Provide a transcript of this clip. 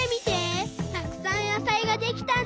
たくさん野さいができたんだよ。